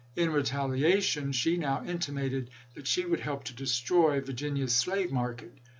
In retali ation she now intimated that she would help to destroy Virginia's slave market.